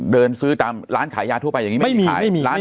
เดินซื้อตามร้านขายยาทั่วไปอย่างนี้ไหมไม่มีขาย